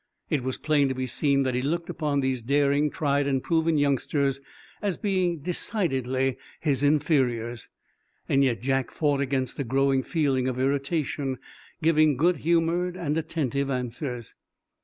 It was plain to be seen that he looked upon these daring, tried and proven youngsters as being decidedly his inferiors. Yet Jack fought against a growing feeling of irritation, giving good humored and attentive answers.